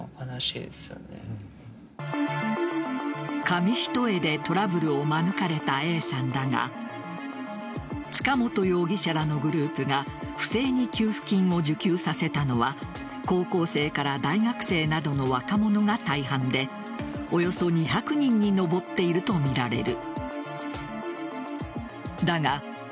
紙一重でトラブルを免れたＡさんだが塚本容疑者らのグループが不正に給付金を受給させたのは高校生から大学生などの若者が大半でおよそ２００人に上っているとみられる。